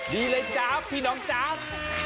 ดีเลยจ๊ะพี่น้องจ๊ะ